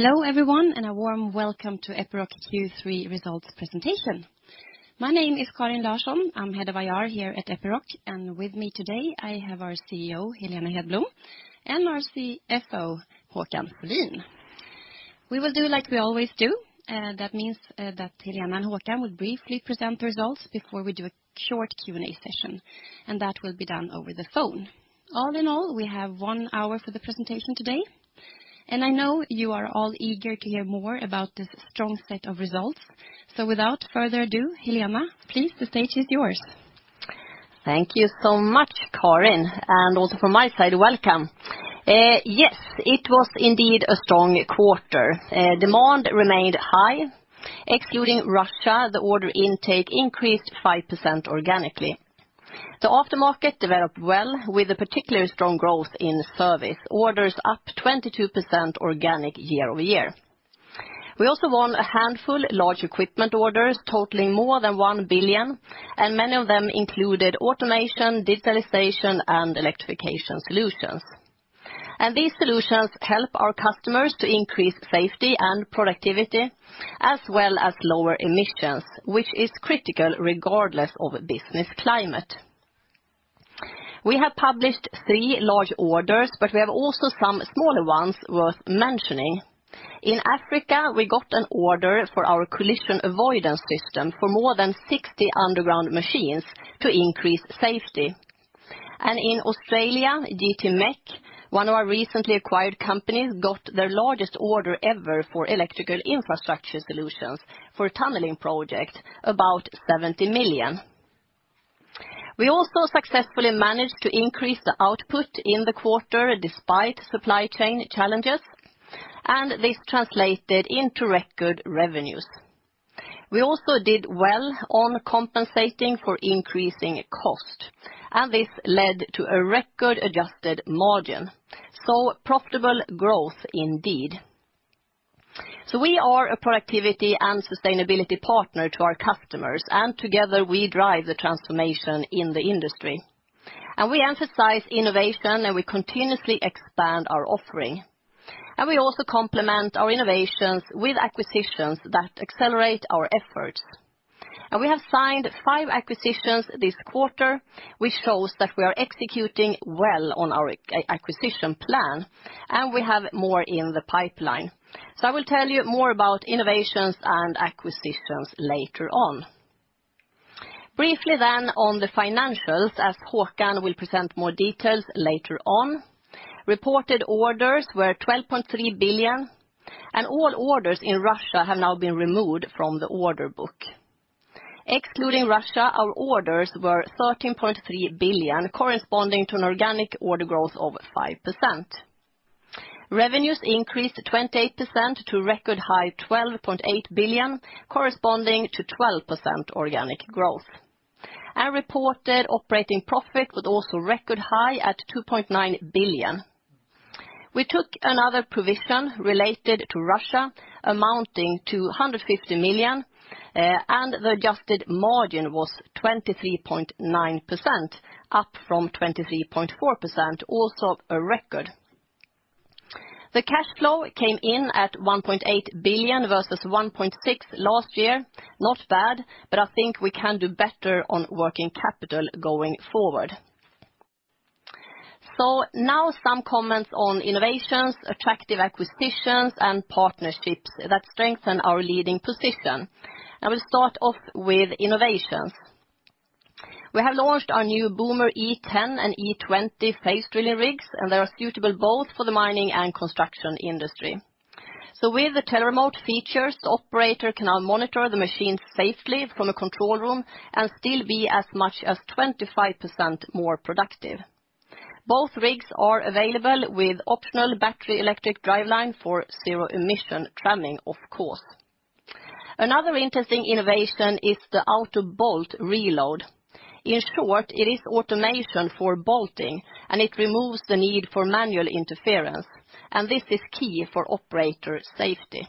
Hello everyone, and a warm welcome to Epiroc Q3 results presentation. My name is Karin Larsson. I'm head of IR here at Epiroc, and with me today, I have our CEO, Helena Hedblom, and our CFO, Håkan Folin. We will do like we always do, that means, that Helena and Håkan will briefly present the results before we do a short Q&A session, and that will be done over the phone. All in all, we have one hour for the presentation today, and I know you are all eager to hear more about this strong set of results. Without further ado, Helena, please, the stage is yours. Thank you so much, Karin, and also from my side, welcome. Yes, it was indeed a strong quarter. Demand remained high. Excluding Russia, the order intake increased 5% organically. The aftermarket developed well, with a particularly strong growth in service. Orders up 22% organic year-over-year. We also won a handful large equipment orders totaling more than 1 billion, and many of them included automation, digitalization, and electrification solutions. These solutions help our customers to increase safety and productivity, as well as lower emissions, which is critical regardless of business climate. We have published three large orders, but we have also some smaller ones worth mentioning. In Africa, we got an order for our Collision Avoidance System for more than 60 underground machines to increase safety. In Australia, JTMEC, one of our recently acquired companies, got their largest order ever for electrical infrastructure solutions for a tunneling project, about 70 million. We also successfully managed to increase the output in the quarter despite supply chain challenges, and this translated into record revenues. We also did well on compensating for increasing cost, and this led to a record adjusted margin. Profitable growth indeed. We are a productivity and sustainability partner to our customers, and together we drive the transformation in the industry. We emphasize innovation, and we continuously expand our offering. We also complement our innovations with acquisitions that accelerate our efforts. We have signed five acquisitions this quarter, which shows that we are executing well on our acquisition plan, and we have more in the pipeline. I will tell you more about innovations and acquisitions later on. Briefly then on the financials, as Håkan will present more details later on. Reported orders were 12.3 billion, and all orders in Russia have now been removed from the order book. Excluding Russia, our orders were 13.3 billion, corresponding to an organic order growth of 5%. Revenues increased 28% to record high 12.8 billion, corresponding to 12% organic growth. Reported operating profit was also record high at 2.9 billion. We took another provision related to Russia amounting to 150 million, and the adjusted margin was 23.9%, up from 23.4%, also a record. The cash flow came in at 1.8 billion versus 1.6 billion last year. Not bad, but I think we can do better on working capital going forward. Now some comments on innovations, attractive acquisitions, and partnerships that strengthen our leading position. I will start off with innovations. We have launched our new Boomer E10 and E20 face drilling rigs, and they are suitable both for the mining and construction industry. With the teleremote features, the operator can now monitor the machine safely from a control room and still be as much as 25% more productive. Both rigs are available with optional battery-electric driveline for zero emission tramming, of course. Another interesting innovation is the Auto Bolt Reload. In short, it is automation for bolting, and it removes the need for manual interference, and this is key for operator safety.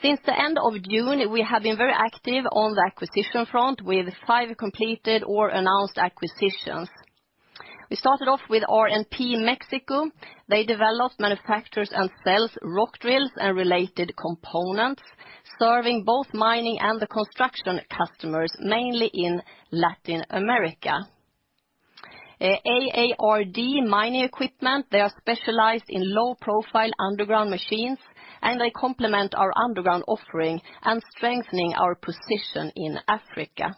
Since the end of June, we have been very active on the acquisition front with five completed or announced acquisitions. We started off with RNP México. They develops, manufactures, and sells rock drills and related components, serving both mining and the construction customers, mainly in Latin America. AARD Mining Equipment, they are specialized in low-profile underground machines, and they complement our underground offering and strengthen our position in Africa.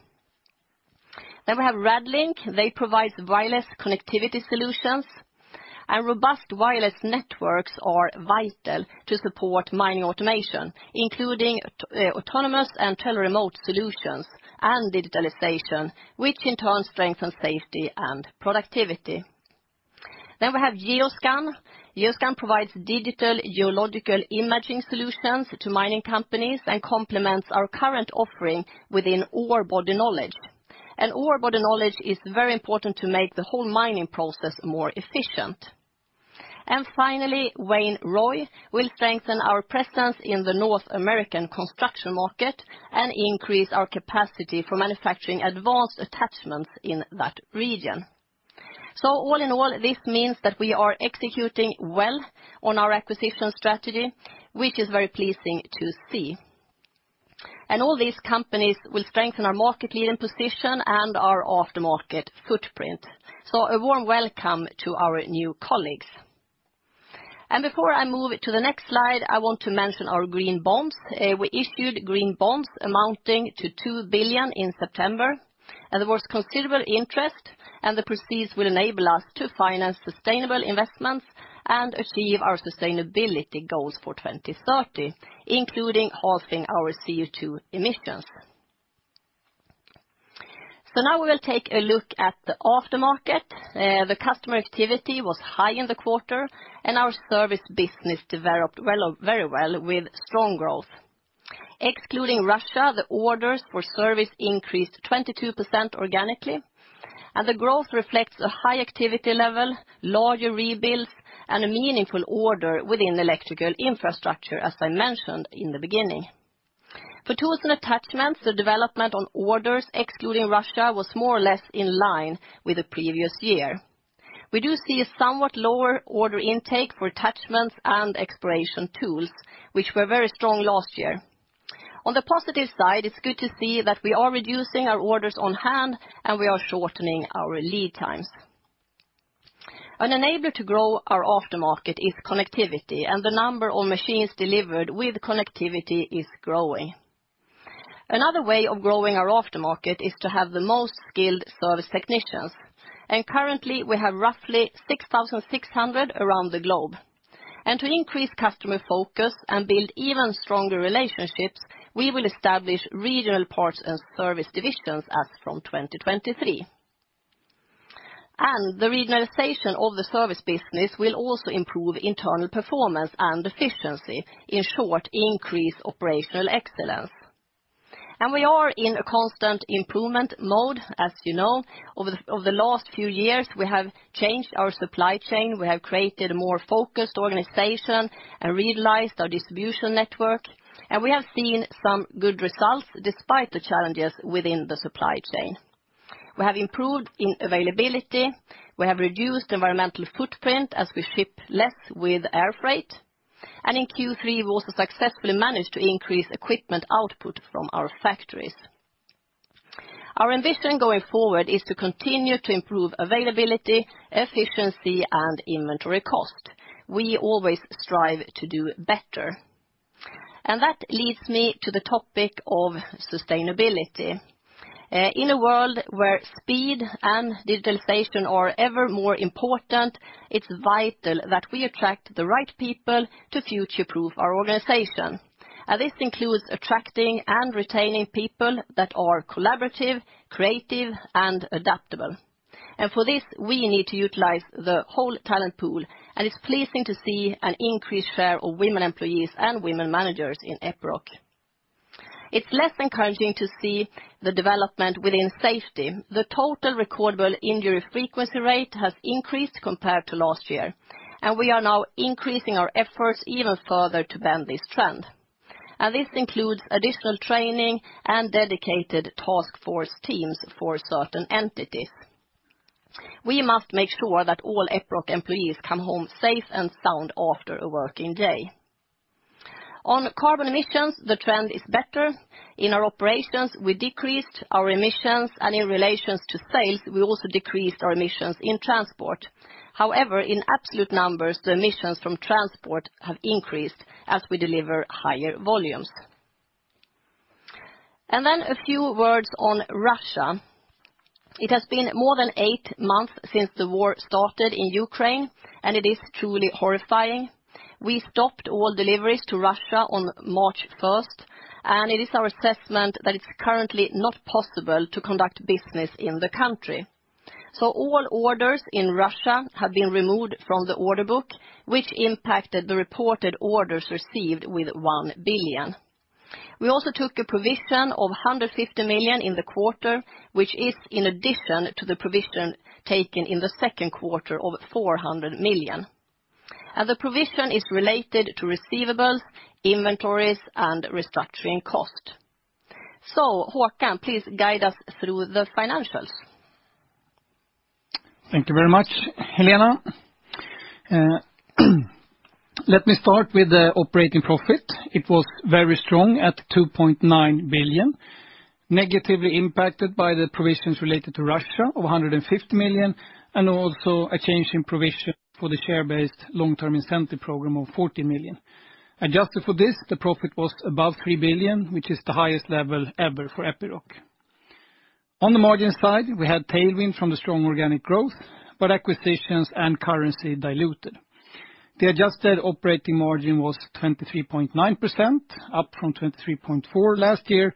We have Radlink. They provide wireless connectivity solutions. Robust wireless networks are vital to support mining automation, including autonomous and teleremote solutions and digitalization, which in turn strengthen safety and productivity. We have Geoscan. Geoscan provides digital geological imaging solutions to mining companies and complements our current offering within orebody knowledge. Orebody knowledge is very important to make the whole mining process more efficient. Finally, Wain-Roy will strengthen our presence in the North American construction market and increase our capacity for manufacturing advanced attachments in that region. All in all, this means that we are executing well on our acquisition strategy, which is very pleasing to see. All these companies will strengthen our market leading position and our aftermarket footprint. A warm welcome to our new colleagues. Before I move it to the next slide, I want to mention our green bonds. We issued green bonds amounting to 2 billion in September, and there was considerable interest, and the proceeds will enable us to finance sustainable investments and achieve our sustainability goals for 2030, including halving our CO2 emissions. Now we will take a look at the aftermarket. The customer activity was high in the quarter, and our service business developed well, very well with strong growth. Excluding Russia, the orders for service increased 22% organically, and the growth reflects a high activity level, larger rebuilds, and a meaningful order within electrical infrastructure, as I mentioned in the beginning. For Tools & Attachments, the development on orders excluding Russia was more or less in line with the previous year. We do see a somewhat lower order intake for attachments and exploration tools, which were very strong last year. On the positive side, it's good to see that we are reducing our orders on hand and we are shortening our lead times. An enabler to grow our aftermarket is connectivity, and the number of machines delivered with connectivity is growing. Another way of growing our aftermarket is to have the most skilled service technicians, and currently, we have roughly 6,600 around the globe. To increase customer focus and build even stronger relationships, we will establish regional parts and service divisions as from 2023. The regionalization of the service business will also improve internal performance and efficiency. In short, increase operational excellence. We are in a constant improvement mode, as you know. Over the last few years, we have changed our supply chain. We have created a more focused organization and realized our distribution network, and we have seen some good results despite the challenges within the supply chain. We have improved in availability, we have reduced environmental footprint as we ship less with air freight, and in Q3, we also successfully managed to increase equipment output from our factories. Our ambition going forward is to continue to improve availability, efficiency, and inventory cost. We always strive to do better. That leads me to the topic of sustainability. In a world where speed and digitalization are ever more important, it's vital that we attract the right people to future-proof our organization. This includes attracting and retaining people that are collaborative, creative, and adaptable. For this, we need to utilize the whole talent pool, and it's pleasing to see an increased share of women employees and women managers in Epiroc. It's less encouraging to see the development within safety. The total recordable injury frequency rate has increased compared to last year, and we are now increasing our efforts even further to bend this trend. This includes additional training and dedicated task force teams for certain entities. We must make sure that all Epiroc employees come home safe and sound after a working day. On carbon emissions, the trend is better. In our operations, we decreased our emissions, and in relation to sales, we also decreased our emissions in transport. However, in absolute numbers, the emissions from transport have increased as we deliver higher volumes. A few words on Russia. It has been more than eight months since the war started in Ukraine, and it is truly horrifying. We stopped all deliveries to Russia on March first, and it is our assessment that it's currently not possible to conduct business in the country. All orders in Russia have been removed from the order book, which impacted the reported orders received with 1 billion. We also took a provision of 150 million in the quarter, which is in addition to the provision taken in the second quarter of 400 million, and the provision is related to receivables, inventories, and restructuring cost. Håkan, please guide us through the financials. Thank you very much, Helena. Let me start with the operating profit. It was very strong at 2.9 billion, negatively impacted by the provisions related to Russia of 150 million, and also a change in provision for the share-based long-term incentive program of 40 million. Adjusted for this, the profit was above 3 billion, which is the highest level ever for Epiroc. On the margin side, we had tailwind from the strong organic growth, but acquisitions and currency diluted. The adjusted operating margin was 23.9%, up from 23.4% last year,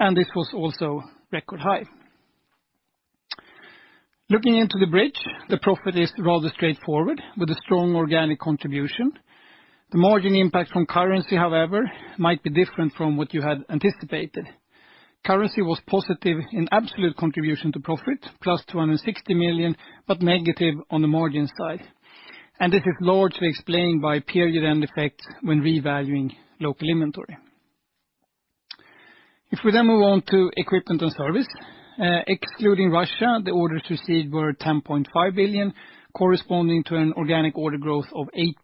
and this was also record high. Looking into the bridge, the profit is rather straightforward with a strong organic contribution. The margin impact from currency, however, might be different from what you had anticipated. Currency was positive in absolute contribution to profit, plus 260 million, but negative on the margin side. This is largely explained by period-end effects when revaluing local inventory. If we move on to Equipment & Service, excluding Russia, the orders received were 10.5 billion, corresponding to an organic order growth of 8%.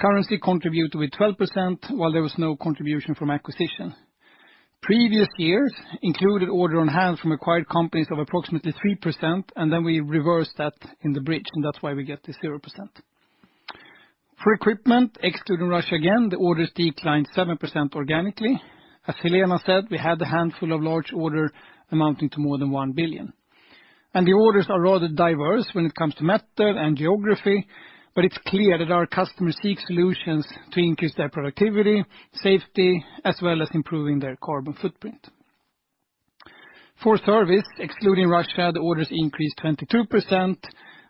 Currency contributed with 12%, while there was no contribution from acquisition. Previous years included order on hand from acquired companies of approximately 3%, and then we reversed that in the bridge, and that's why we get to 0%. For equipment, excluding Russia again, the orders declined 7% organically. As Helena said, we had a handful of large order amounting to more than 1 billion. The orders are rather diverse when it comes to market and geography, but it's clear that our customers seek solutions to increase their productivity, safety, as well as improving their carbon footprint. For service, excluding Russia, the orders increased 22%,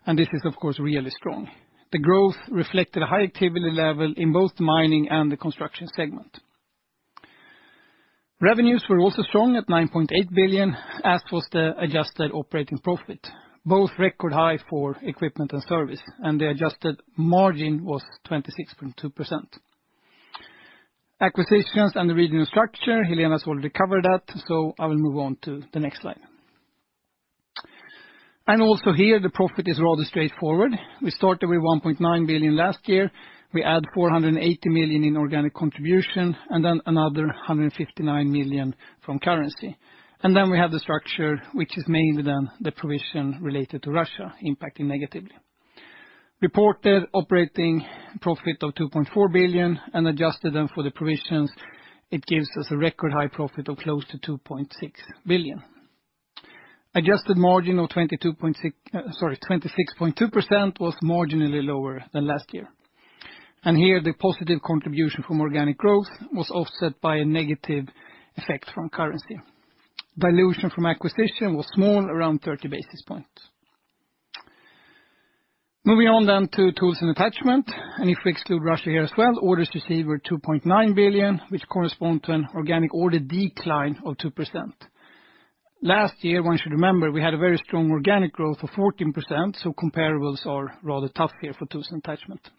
and this is, of course, really strong. The growth reflected a high activity level in both the mining and the construction segment. Revenues were also strong at 9.8 billion, as was the adjusted operating profit, both record high for Equipment & Service, and the adjusted margin was 26.2%. Acquisitions and the regional structure, Helena has already covered that, so I will move on to the next slide. Also here, the profit is rather straightforward. We started with 1.9 billion last year. We add 480 million in organic contribution and then another 159 million from currency. We have the structure, which is mainly the provision related to Russia impacting negatively. Reported operating profit of 2.4 billion, and adjusted for the provisions, it gives us a record high profit of close to 2.6 billion. Adjusted margin of 26.2% was marginally lower than last year. Here, the positive contribution from organic growth was offset by a negative effect from currency. Dilution from acquisition was small, around 30 basis points. Moving on to Tools & Attachments, and if we exclude Russia here as well, orders received were 2.9 billion, which correspond to an organic order decline of 2%. Last year, one should remember, we had a very strong organic growth of 14%, so comparables are rather tough here for Tools & Attachments.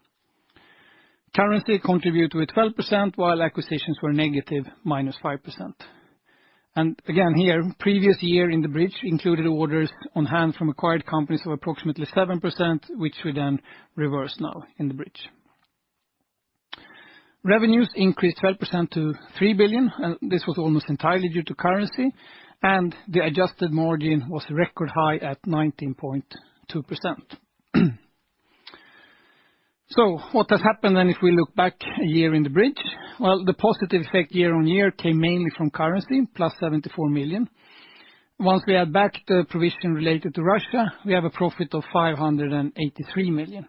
Currency contribute with 12%, while acquisitions were negative, -5%. Again, here, previous year in the bridge included orders on hand from acquired companies of approximately 7%, which we then reverse now in the bridge. Revenues increased 12% to 3 billion, and this was almost entirely due to currency. The adjusted margin was record high at 19.2%. What has happened then if we look back a year in the bridge? Well, the positive effect year-on-year came mainly from currency, plus 74 million. Once we add back the provision related to Russia, we have a profit of 583 million.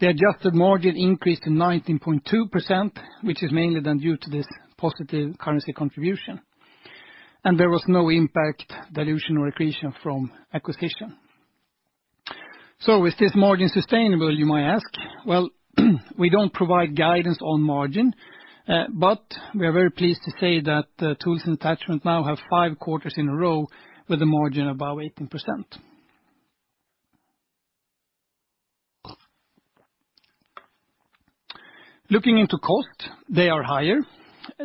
The adjusted margin increased to 19.2%, which is mainly then due to this positive currency contribution. There was no impact, dilution, or accretion from acquisition. Is this margin sustainable, you might ask? We don't provide guidance on margin, but we are very pleased to say that Tools & Attachments now have five quarters in a row with a margin above 18%. Looking into costs, they are higher.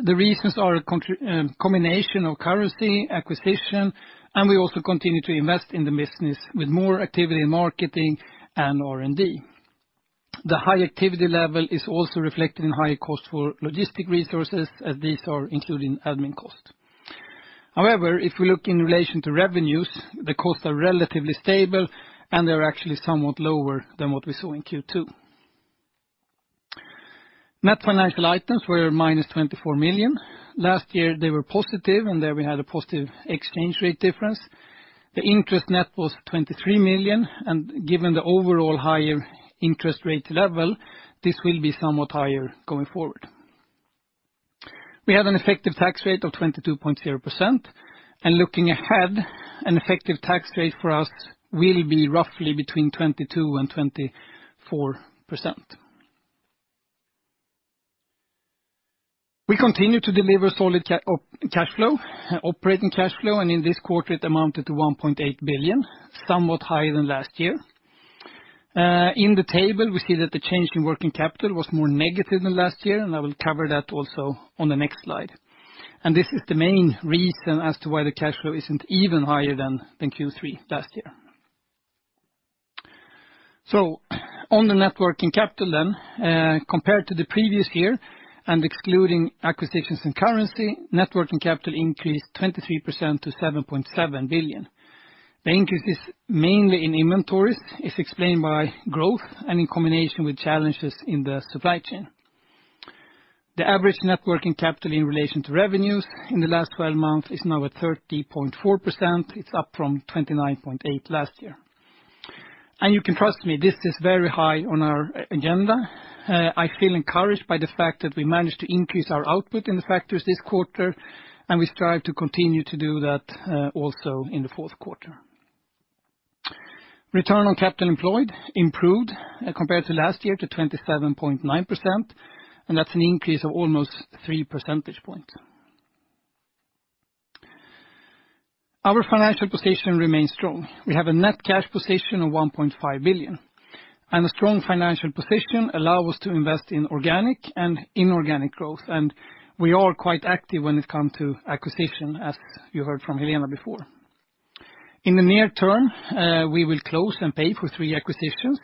The reasons are a combination of currency, acquisition, and we also continue to invest in the business with more activity in marketing and R&D. The high activity level is also reflected in higher costs for logistics resources as these are including admin costs. However, if we look in relation to revenues, the costs are relatively stable, and they're actually somewhat lower than what we saw in Q2. Net financial items were minus 24 million. Last year, they were positive, and there we had a positive exchange rate difference. The interest net was 23 million, and given the overall higher interest rate level, this will be somewhat higher going forward. We have an effective tax rate of 22.0%. Looking ahead, an effective tax rate for us will be roughly between 22% and 24%. We continue to deliver solid cash flow, operating cash flow, and in this quarter, it amounted to 1.8 billion, somewhat higher than last year. In the table, we see that the change in working capital was more negative than last year, and I will cover that also on the next slide. This is the main reason as to why the cash flow isn't even higher than Q3 last year. On the net working capital then, compared to the previous year and excluding acquisitions and currency, net working capital increased 23% to 7.7 billion. The increase is mainly in inventories, is explained by growth and in combination with challenges in the supply chain. The average net working capital in relation to revenues in the last 12 months is now at 13.4%. It's up from 29.8% last year. You can trust me, this is very high on our agenda. I feel encouraged by the fact that we managed to increase our output in the factories this quarter, and we strive to continue to do that, also in the fourth quarter. Return on capital employed improved compared to last year to 27.9%, and that's an increase of almost 3 percentage points. Our financial position remains strong. We have a net cash position of 1.5 billion, and a strong financial position allow us to invest in organic and inorganic growth, and we are quite active when it comes to acquisition, as you heard from Helena before. In the near term, we will close and pay for three acquisitions,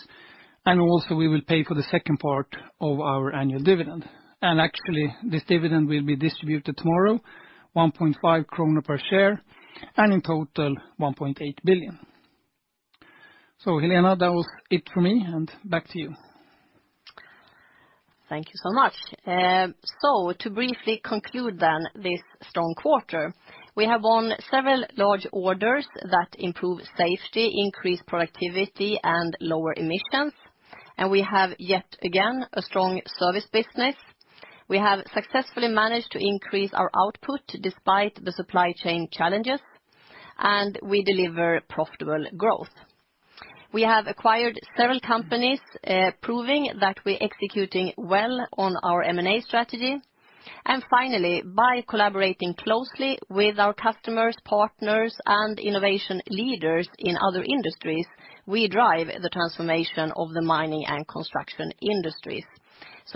and also we will pay for the second part of our annual dividend. Actually, this dividend will be distributed tomorrow, 1.5 krona per share, and in total 1.8 billion. Helena, that was it for me and back to you. Thank you so much. To briefly conclude then this strong quarter. We have won several large orders that improve safety, increase productivity and lower emissions. We have yet again a strong service business. We have successfully managed to increase our output despite the supply chain challenges, and we deliver profitable growth. We have acquired several companies, proving that we're executing well on our M&A strategy. Finally, by collaborating closely with our customers, partners and innovation leaders in other industries, we drive the transformation of the mining and construction industries.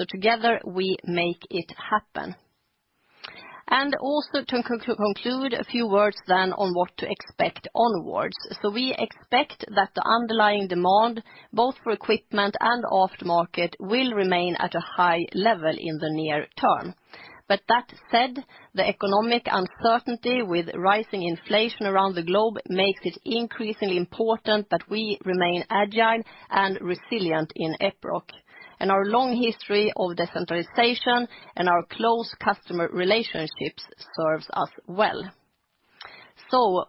Together we make it happen. Also to conclude, a few words then on what to expect onwards. We expect that the underlying demand, both for equipment and aftermarket, will remain at a high level in the near term. That said, the economic uncertainty with rising inflation around the globe makes it increasingly important that we remain agile and resilient in Epiroc. Our long history of decentralization and our close customer relationships serves us well.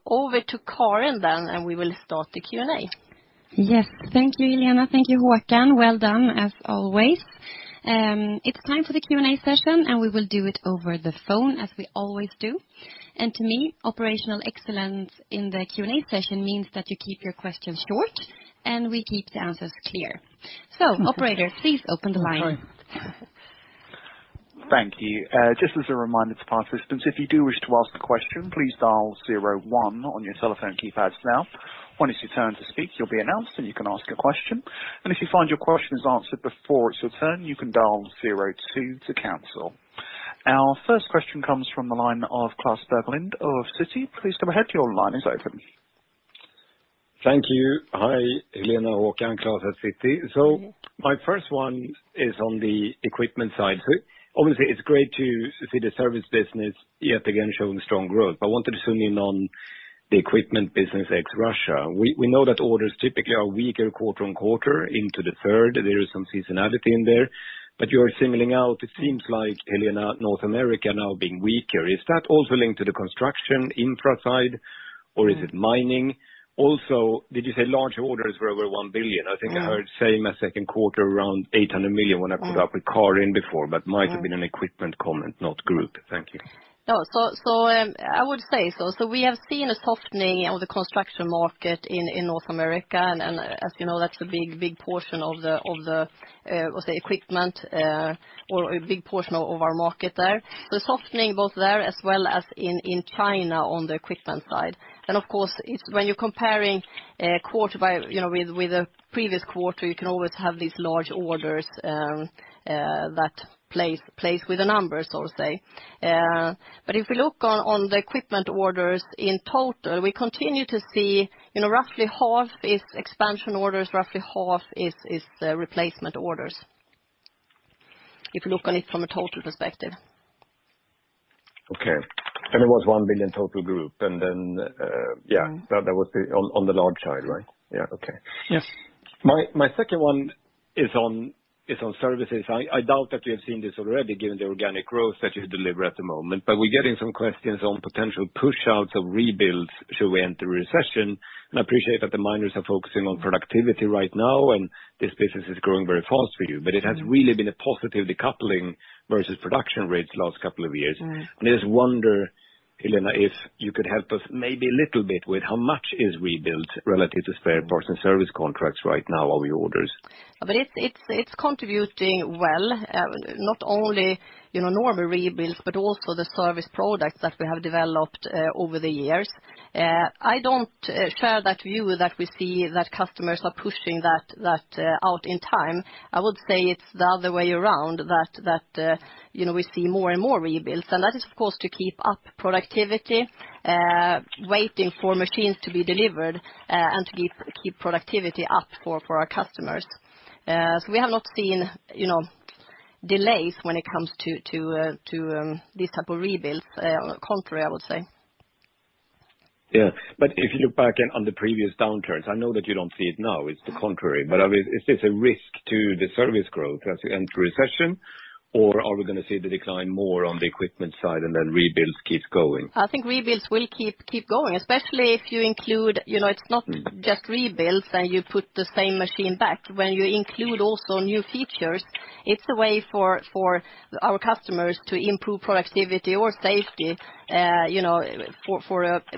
Over to Karin then, and we will start the Q&A. Yes. Thank you, Helena. Thank you, Håkan. Well done as always. It's time for the Q&A session, and we will do it over the phone as we always do. To me, operational excellence in the Q&A session means that you keep your questions short, and we keep the answers clear. Operator, please open the line. Thank you. Just as a reminder to participants, if you do wish to ask a question, please dial zero one on your telephone keypads now. When it's your turn to speak, you'll be announced, and you can ask your question. If you find your question is answered before it's your turn, you can dial zero two to cancel. Our first question comes from the line of Klas Bergelind of Citi. Please go ahead. Your line is open. Thank you. Hi, Helena, Håkan. Klas at Citi. My first one is on the equipment side. Obviously it's great to see the service business yet again showing strong growth. I wanted to zoom in on the equipment business ex Russia. We know that orders typically are weaker quarter on quarter into the third. There is some seasonality in there, but you are singling out it seems like, Helena, North America now being weaker. Is that also linked to the construction infra side or is it mining? Also, did you say large orders were over 1 billion? I think I heard same as second quarter around 800 million when I caught up with Karin before, but might have been an equipment comment, not group. Thank you. No. I would say so. We have seen a softening of the construction market in North America, and as you know, that's a big portion of the equipment or a big portion of our market there. The softening both there as well as in China on the equipment side. Of course it's when you're comparing quarter by quarter, you know, with the previous quarter, you can always have these large orders that plays with the numbers, so to say. But if you look on the equipment orders in total, we continue to see, you know, roughly half is expansion orders, roughly half is replacement orders. If you look on it from a total perspective. Okay. It was 1 billion total group and then, yeah, that was on the large side, right? Yeah. Okay. Yes. My second one is on services. I doubt that we have seen this already given the organic growth that you deliver at the moment. We're getting some questions on potential push outs of rebuilds should we enter recession. I appreciate that the miners are focusing on productivity right now, and this business is growing very fast for you. It has really been a positive decoupling versus production rates the last couple of years. I just wonder, Helena, if you could help us maybe a little bit with how much is rebuilt relative to spare parts and service contracts right now of your orders. It's contributing well. Not only, you know, normal rebuilds, but also the service products that we have developed over the years. I don't share that view that we see that customers are pushing that out in time. I would say it's the other way around that, you know, we see more and more rebuilds. That is of course to keep up productivity waiting for machines to be delivered and to keep productivity up for our customers. We have not seen, you know, delays when it comes to these type of rebuilds. Contrary, I would say. Yeah. If you look back on the previous downturns, I know that you don't see it now, it's the contrary. I mean, is this a risk to the service growth as we enter recession, or are we gonna see the decline more on the equipment side and then rebuilds keeps going? I think rebuilds will keep going, especially if you include, you know, it's not just rebuilds and you put the same machine back. When you include also new features, it's a way for our customers to improve productivity or safety, you know,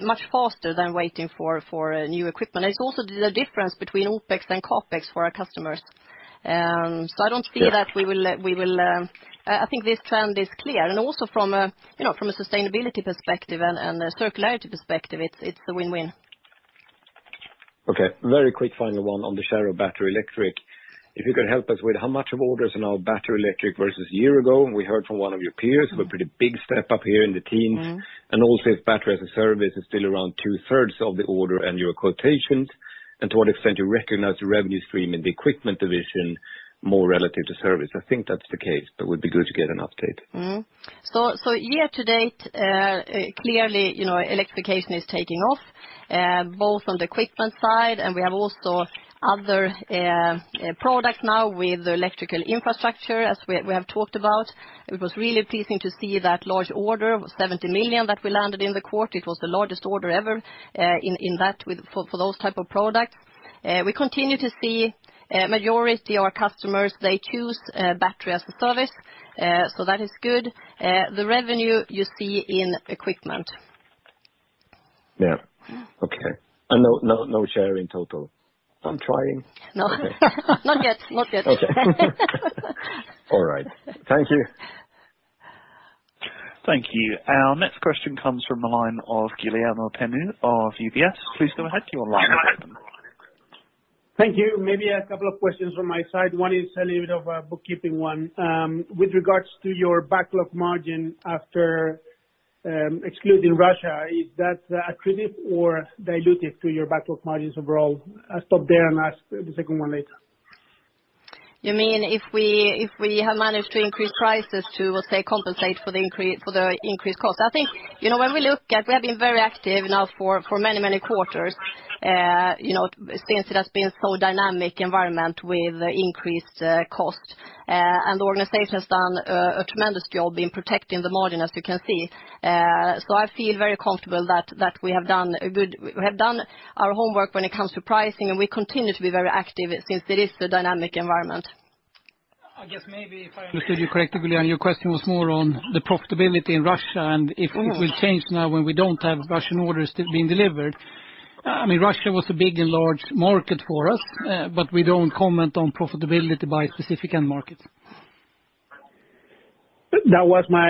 much faster than waiting for new equipment. It's also the difference between OpEx and CapEx for our customers. I don't see that we will. I think this trend is clear. Also from a, you know, from a sustainability perspective and a circularity perspective, it's a win-win. Okay, very quick final one on the share of battery electric. If you could help us with how much of orders are now battery electric versus year ago, and we heard from one of your peers who are pretty big step up here in the theme. Mm-hmm. Also, if Battery as a Service is still around two-thirds of the order and your quotations, and to what extent you recognize the revenue stream in the equipment division more relative to service. I think that's the case, but would be good to get an update. Year to date, clearly, you know, electrification is taking off, both on the equipment side, and we have also other products now with electrical infrastructure, as we have talked about. It was really pleasing to see that large order of 70 million that we landed in the quarter. It was the largest order ever, for those type of products. We continue to see a majority of our customers, they choose Battery as a Service. That is good. The revenue you see in equipment. Yeah. Mm-hmm. Okay. No share in total? I'm trying. No. Not yet. Okay. All right. Thank you. Thank you. Our next question comes from the line of Guillermo Peigneux of UBS. Please go ahead, your line is open. Thank you. Maybe a couple of questions from my side. One is a little bit of a bookkeeping one. With regards to your backlog margin after excluding Russia, is that accretive or dilutive to your backlog margins overall? I'll stop there and ask the second one later. You mean if we have managed to increase prices to, let's say, compensate for the increased cost? I think, you know, when we look at we have been very active now for many quarters, you know, since it has been so dynamic environment with increased cost. The organization has done a tremendous job in protecting the margin, as you can see. I feel very comfortable that we have done our homework when it comes to pricing, and we continue to be very active since it is a dynamic environment. I guess maybe if I understood you correctly, Guillermo, your question was more on the profitability in Russia and if we change now when we don't have Russian orders still being delivered. I mean, Russia was a big and large market for us, but we don't comment on profitability by specific end markets. That was my.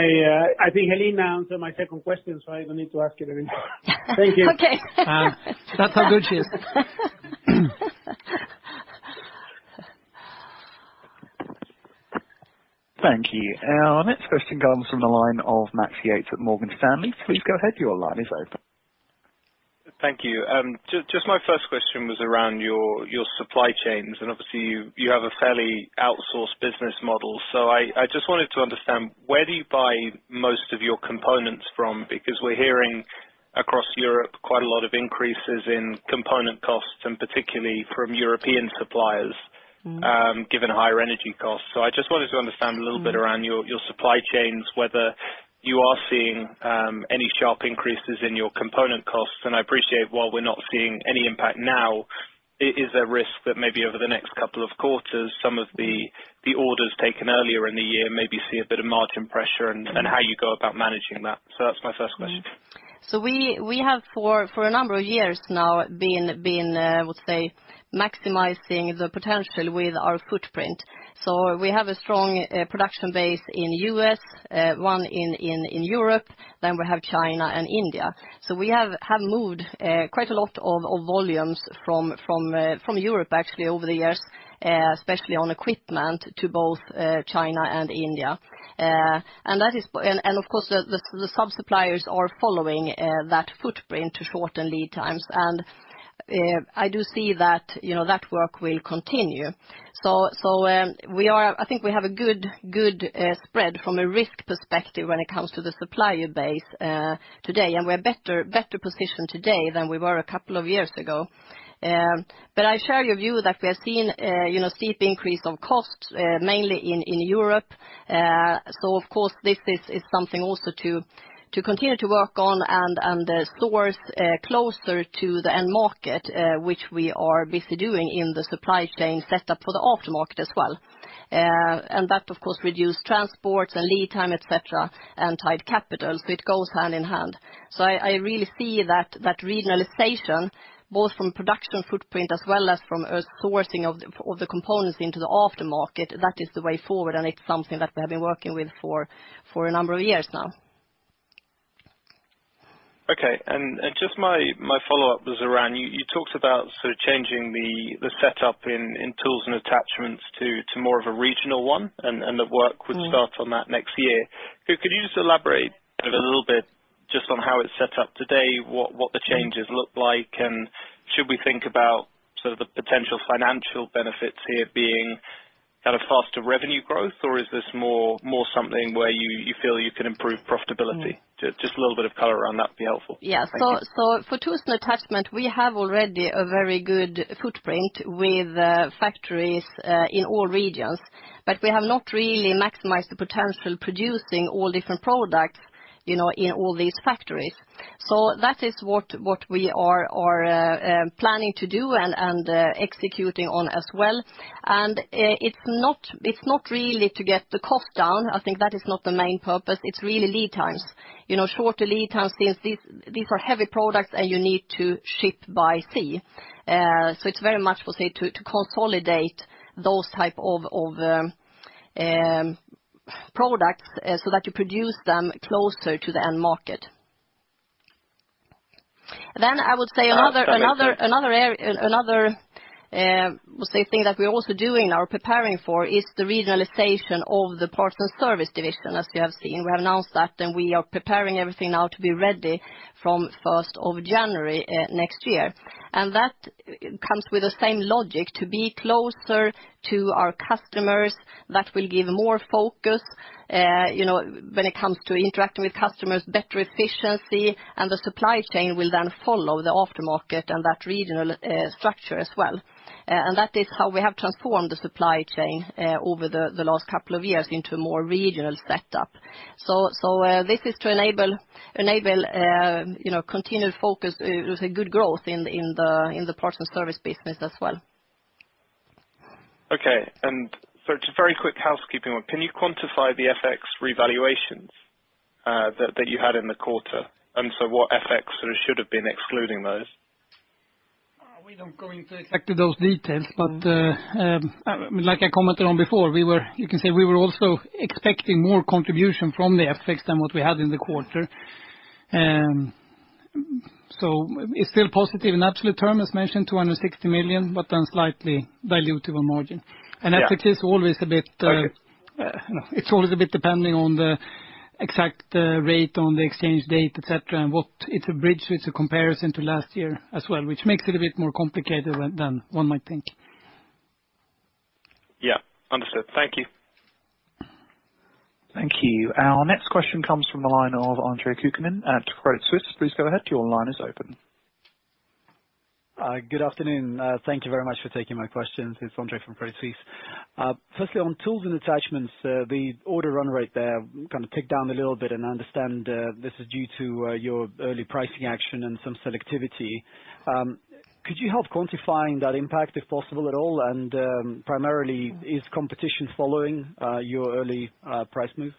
I think Helena answered my second question, so I don't need to ask it anymore. Thank you. Okay. That's how good she is. Thank you. Our next question comes from the line of Max Yates at Morgan Stanley. Please go ahead, your line is open. Thank you. Just my first question was around your supply chains, and obviously you have a fairly outsourced business model. I just wanted to understand, where do you buy most of your components from? Because we're hearing across Europe quite a lot of increases in component costs and particularly from European suppliers. Mm-hmm. Given higher energy costs. I just wanted to understand a little bit around your supply chains, whether you are seeing any sharp increases in your component costs. I appreciate while we're not seeing any impact now, is there risk that maybe over the next couple of quarters, some of the the orders taken earlier in the year maybe see a bit of margin pressure and how you go about managing that. That's my first question. We have for a number of years now been, I would say, maximizing the potential with our footprint. We have a strong production base in U.S., one in Europe, then we have China and India. We have moved quite a lot of volumes from Europe actually over the years, especially on equipment to both China and India. Of course, the sub-suppliers are following that footprint to shorten lead times. I do see that, you know, that work will continue. I think we have a good spread from a risk perspective when it comes to the supplier base today. We're better positioned today than we were a couple of years ago. But I share your view that we are seeing, you know, steep increase of costs, mainly in Europe. So of course, this is something also to continue to work on and source closer to the end market, which we are busy doing in the supply chain set up for the aftermarket as well. And that, of course, reduce transports and lead time, et cetera, and tied capital, so it goes hand in hand. I really see that regionalization, both from production footprint as well as from a sourcing of the components into the aftermarket, that is the way forward, and it's something that we have been working with for a number of years now. Okay. Just my follow-up was around you talked about sort of changing the setup in Tools & Attachments to more of a regional one and that work would start on that next year. Could you just elaborate a little bit just on how it's set up today, what the changes look like, and should we think about sort of the potential financial benefits here being kind of faster revenue growth? Or is this more something where you feel you can improve profitability? Just a little bit of color around that would be helpful. Thank you. For Tools & Attachments, we have already a very good footprint with factories in all regions. We have not really maximized the potential producing all different products, you know, in all these factories. That is what we are planning to do and executing on as well. It's not really to get the cost down. I think that is not the main purpose. It's really lead times. You know, shorter lead times since these are heavy products and you need to ship by sea. It's very much for, say, to consolidate those type of products so that you produce them closer to the end market. I would say another thing that we're also doing or preparing for is the regionalization of the parts and service division. As you have seen, we have announced that, and we are preparing everything now to be ready from first of January next year. That comes with the same logic, to be closer to our customers. That will give more focus, you know, when it comes to interacting with customers, better efficiency, and the supply chain will then follow the aftermarket and that regional structure as well. That is how we have transformed the supply chain over the last couple of years into a more regional setup. This is to enable, you know, continued focus, good growth in the parts and service business as well. Okay. Just a very quick housekeeping one. Can you quantify the FX revaluations that you had in the quarter, and so what FX there should have been excluding those? We don't go into exactly those details. Like I commented on before, you can say we were also expecting more contribution from the FX than what we had in the quarter. It's still positive in absolute terms, as mentioned, 260 million, but then slightly dilutive on margin. Yeah. FX is always a bit. Okay. It's always a bit depending on the exact rate on the exchange date, et cetera, and what it's bridging with the comparison to last year as well, which makes it a bit more complicated than one might think. Yeah. Understood. Thank you. Thank you. Our next question comes from the line of Andre Kukhnin at Credit Suisse. Please go ahead. Your line is open. Good afternoon. Thank you very much for taking my questions. It's Andre from Credit Suisse. Firstly, on Tools & Attachments, the order run rate there kind of ticked down a little bit, and I understand this is due to your early pricing action and some selectivity. Could you help quantifying that impact, if possible at all? Primarily is competition following your early price move?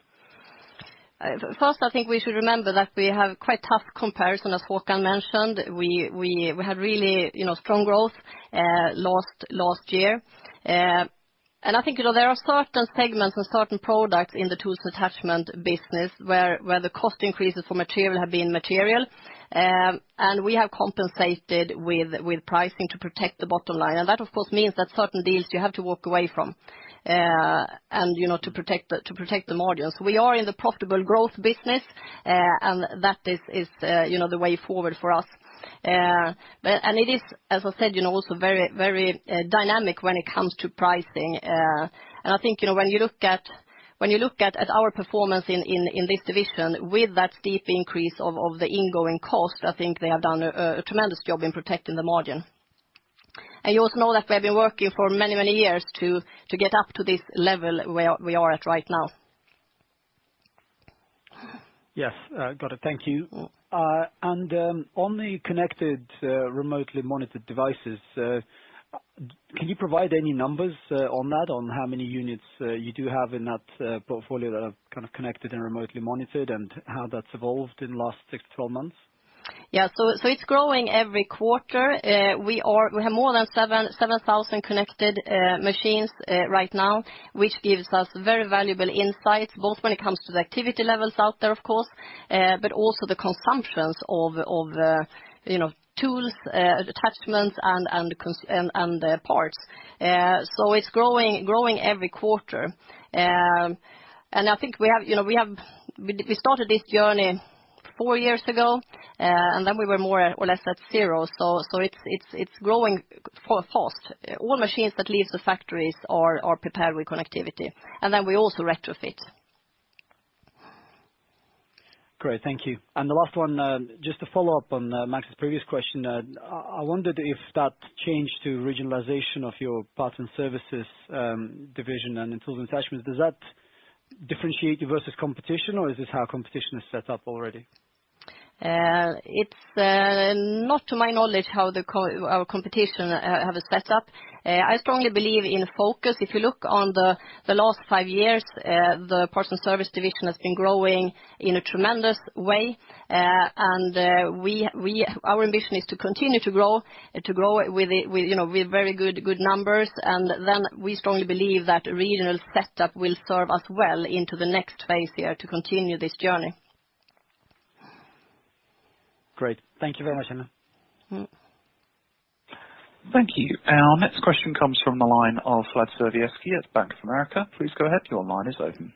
First I think we should remember that we have quite tough comparison, as Håkan mentioned. We had really, you know, strong growth last year. I think, you know, there are certain segments and certain products in the tools attachment business where the cost increases for material have been material. We have compensated with pricing to protect the bottom line. That of course means that certain deals you have to walk away from, you know, to protect the margins. We are in the profitable growth business, and that is, you know, the way forward for us. It is, as I said, you know, also very dynamic when it comes to pricing. I think, you know, when you look at our performance in this division with that steep increase of the ingoing costs, I think they have done a tremendous job in protecting the margin. You also know that we have been working for many, many years to get up to this level where we are at right now. Yes. Got it. Thank you. On the connected remotely monitored devices, can you provide any numbers on that, on how many units you do have in that portfolio that are kind of connected and remotely monitored, and how that's evolved in the last six to 12 months? It's growing every quarter. We have more than 7,000 connected machines right now, which gives us very valuable insights, both when it comes to the activity levels out there, of course, but also the consumptions of tools, attachments and parts. It's growing every quarter. I think we started this journey four years ago, and then we were more or less at zero. It's growing fast. All machines that leaves the factories are prepared with connectivity, and then we also retrofit. Great. Thank you. The last one, just to follow up on Max's previous question. I wondered if that change to regionalization of your parts and services division and in Tools & Attachments does that differentiate you versus competition, or is this how competition is set up already? It's not to my knowledge how our competition have it set up. I strongly believe in focus. If you look on the last five years, the parts and service division has been growing in a tremendous way. Our ambition is to continue to grow with you know, with very good numbers. Then we strongly believe that regional setup will serve us well into the next phase here to continue this journey. Great. Thank you very much, Helena. Mm. Thank you. Our next question comes from the line of Vlad Sergievskiy at Bank of America. Please go ahead. Your line is open.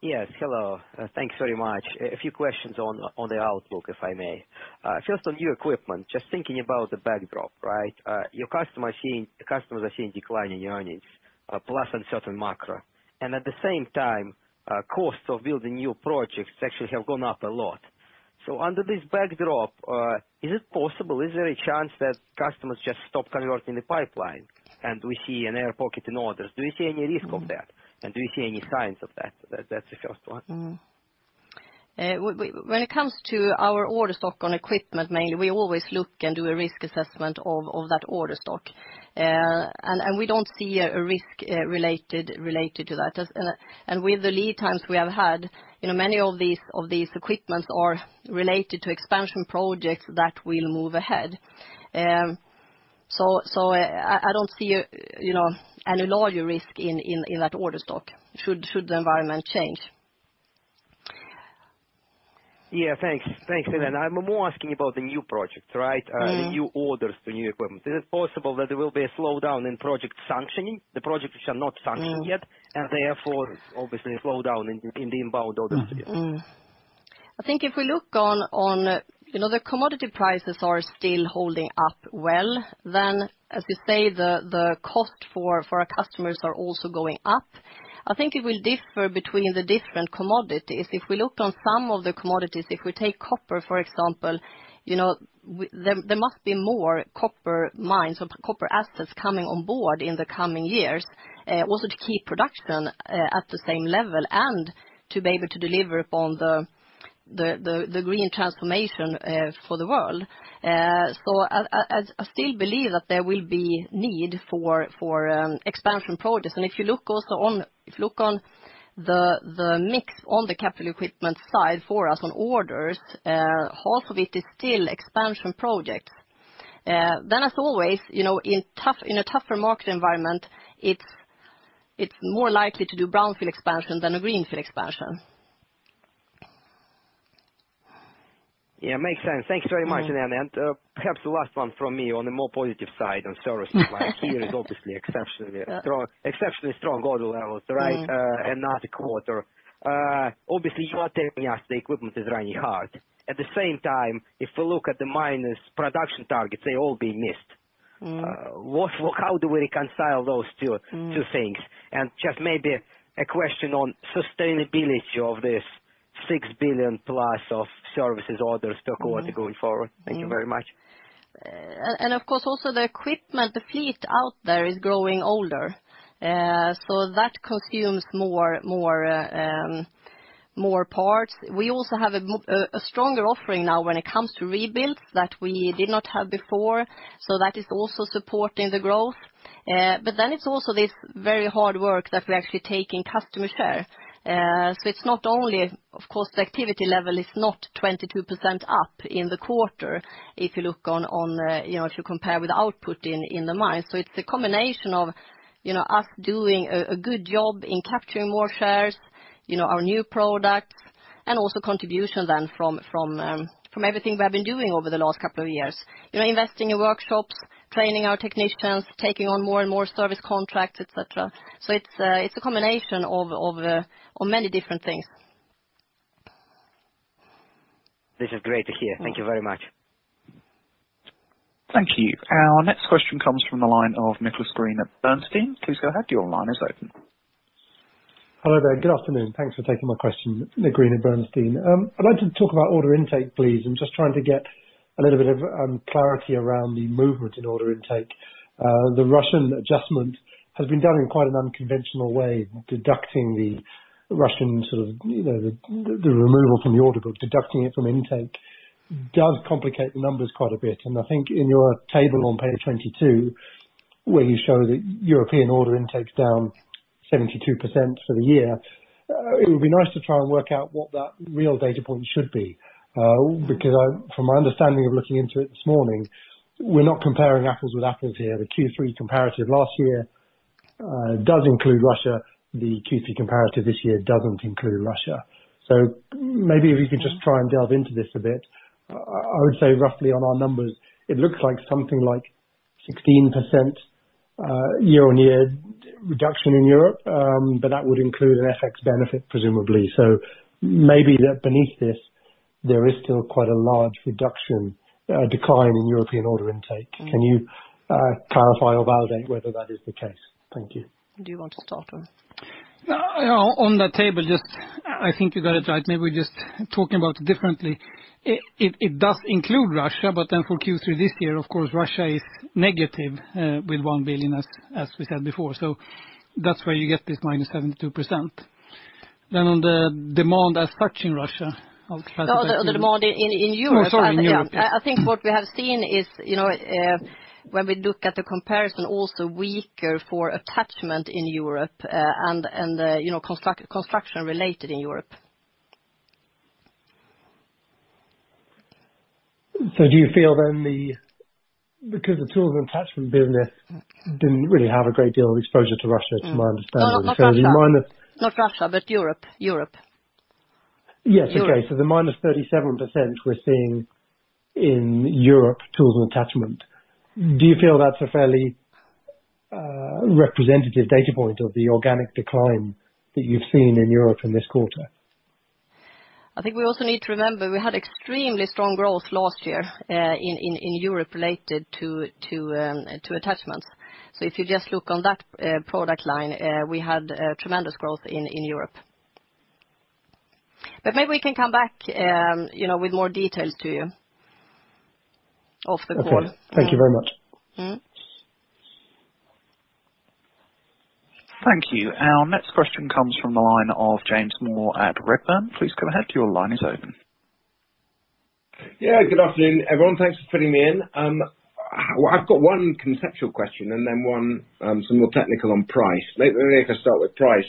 Yes. Hello. Thanks very much. A few questions on the outlook, if I may. First on new equipment, just thinking about the backdrop, right? The customers are seeing decline in earnings, plus uncertain macro. At the same time, costs of building new projects actually have gone up a lot. Under this backdrop, is it possible, is there a chance that customers just stop converting the pipeline and we see an air pocket in orders? Do you see any risk of that, and do you see any signs of that? That's the first one. When it comes to our order stock on equipment, mainly, we always look and do a risk assessment of that order stock. We don't see a risk related to that. With the lead times we have had, you know, many of these equipments are related to expansion projects that will move ahead. I don't see, you know, any larger risk in that order stock should the environment change. Yeah. Thanks. Thanks, Helena. I'm more asking you about the new projects, right? Mm. The new orders to new equipment. Is it possible that there will be a slowdown in project sanctioning, the projects which are not sanctioned yet? Mm. Therefore obviously a slowdown in the inbound orders here? I think if we look on, you know, the commodity prices are still holding up well, then as we say, the cost for our customers are also going up. I think it will differ between the different commodities. If we look on some of the commodities, if we take copper, for example, you know, there must be more copper mines or copper assets coming on board in the coming years, also to keep production at the same level and to be able to deliver on the green transformation for the world. I still believe that there will be need for expansion projects. If you look also on the mix on the capital equipment side for us on orders, half of it is still expansion projects. As always, you know, in a tougher market environment, it's more likely to do brownfield expansion than a greenfield expansion. Yeah, makes sense. Thanks very much, Helena. Mm. Perhaps the last one from me on a more positive side on services side. Here is obviously exceptionally strong order levels, right? Mm. Another quarter. Obviously you are telling us the equipment is running hard. At the same time, if we look at the miners' production targets, they're all being missed. Mm. How do we reconcile those two things? Mm. Just maybe a question on sustainability of this 6 billion plus of services orders this quarter going forward. Mm. Thank you very much. Of course, the equipment, the fleet out there is growing older. That consumes more parts. We also have a stronger offering now when it comes to rebuilds that we did not have before, so that is also supporting the growth. It's also this very hard work that we're actually taking customer share. It's not only. Of course, the activity level is not 22% up in the quarter if you look on the, you know, to compare with output in the mines. It's a combination of, you know, us doing a good job in capturing more shares, you know, our new products and also contribution then from everything we have been doing over the last couple of years. You know, investing in workshops, training our technicians, taking on more and more service contracts, et cetera. It's a combination of many different things. This is great to hear. Mm. Thank you very much. Thank you. Our next question comes from the line of Nicholas Green at Bernstein. Please go ahead. Your line is open. Hello there. Good afternoon. Thanks for taking my question. Nick Green at Bernstein. I'd like to talk about order intake, please. I'm just trying to get a little bit of clarity around the movement in order intake. The Russian adjustment has been done in quite an unconventional way, deducting the Russian sort of, you know, the removal from the order book, deducting it from intake does complicate the numbers quite a bit. I think in your table on page 22, where you show the European order intake's down 72% for the year, it would be nice to try and work out what that real data point should be. Because from my understanding of looking into it this morning, we're not comparing apples with apples here. The Q3 comparative last year does include Russia. The Q3 comparative this year doesn't include Russia. Maybe if you could just try and delve into this a bit. I would say roughly on our numbers, it looks like something like 16% year-on-year reduction in Europe, but that would include an FX benefit, presumably. Maybe that beneath this there is still quite a large reduction, decline in European order intake. Mm. Can you, clarify or validate whether that is the case? Thank you. Do you want to start, or? On the table, I think you got it right. Maybe we're just talking about it differently. It does include Russia, but then for Q3 this year, of course, Russia is negative with 1 billion, as we said before. That's where you get this minus 72%. On the demand as such in Russia. The demand in Europe. Oh, sorry, in Europe. Yeah. I think what we have seen is, you know, when we look at the comparison also weaker for attachment in Europe, and you know, construction related in Europe. Do you feel that because the Tools & Attachments business didn't really have a great deal of exposure to Russia, to my understanding? No, not Russia. So the minus- Not Russia, but Europe. Europe. Yes. Okay. Europe. The -37% we're seeing in Europe Tools and Attachments, do you feel that's a fairly representative data point of the organic decline that you've seen in Europe in this quarter? I think we also need to remember we had extremely strong growth last year in Europe related to attachments. If you just look on that product line, we had tremendous growth in Europe. Maybe we can come back, you know, with more details to you off the call. Okay. Thank you very much. Mm. Thank you. Our next question comes from the line of James Moore at Redburn. Please go ahead. Your line is open. Yeah, good afternoon, everyone. Thanks for fitting me in. I've got one conceptual question and then one, some more technical on price. May I start with price?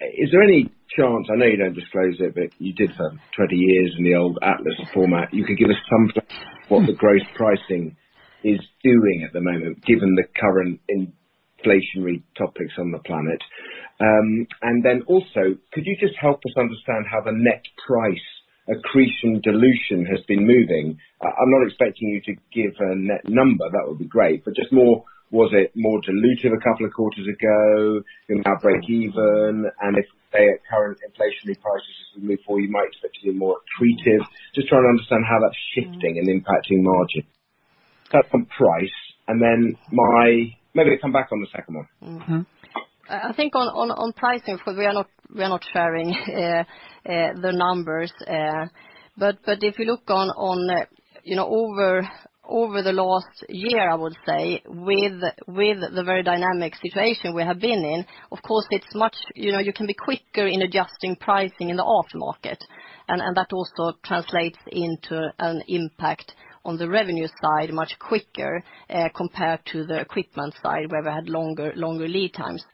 Is there any chance? I know you don't disclose it, but you did for 20 years in the old Atlas format. You could give us some of what the gross pricing is doing at the moment, given the current inflationary topics on the planet. Then also, could you just help us understand how the net price accretion dilution has been moving? I'm not expecting you to give a net number. That would be great. Just more. Was it more dilutive a couple of quarters ago, then now breakeven? If, say, at current inflationary prices move forward, you might expect to be more accretive. Just trying to understand how that's shifting and impacting margin. That's on price. Then my. Maybe come back on the second one. Mm-hmm. I think on pricing, of course, we are not sharing the numbers. If you look on, you know, over the last year, I would say, with the very dynamic situation we have been in, of course, it's much, you know, you can be quicker in adjusting pricing in the aftermarket. That also translates into an impact on the revenue side much quicker, compared to the equipment side, where we had longer lead times.